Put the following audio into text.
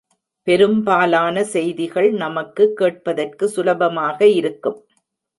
பெரும்பாலான செய்திகள் நமக்கு கேட்பதற்கு சுலபமாக இருக்கும்.